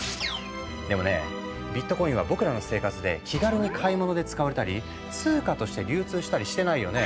でもねビットコインは僕らの生活で気軽に買い物で使われたり通貨として流通したりしてないよね。